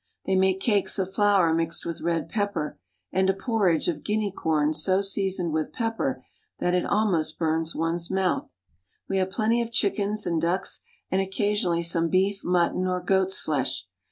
They make cakes of flour mixed with red pepper, and a porridge of guinea corn so seasoned with pepper that it almost bums one's mouth. We have plenty of chickens and ducks and occasionally some beef, mutton, or goat's flesh.